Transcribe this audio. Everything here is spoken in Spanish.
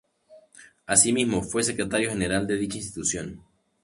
Asimismo, fue Secretario General de dicha institución.